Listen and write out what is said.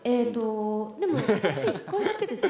でも私、１回だけですよ。